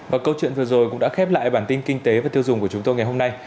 và câu chuyện vừa rồi cũng đã khép lại bản tin kinh tế và tiêu dùng của chúng tôi ngày hôm nay